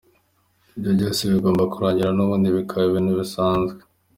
Ibyo byose bigomba kurangira, n’ubundi bikaba ibintu bisanzwe.